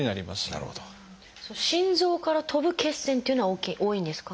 心臓からとぶ血栓っていうのは多いんですか？